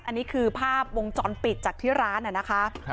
อันนี้คือภาพวงจรปิดจากที่ร้านนะคะ